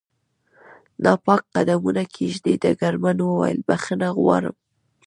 ناپاک قدمونه کېږدي، ډګرمن وویل: بخښنه غواړم.